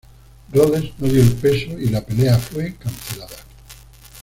Rhodes no dio el peso y la pelea fue cancelada.